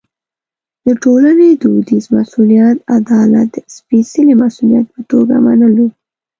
د ټولنې دودیز مسوولیت عدالت د سپېڅلي مسوولیت په توګه منلو.